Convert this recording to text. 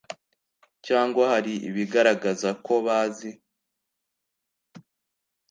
Cyangwa hari ibigaragaza ko bazi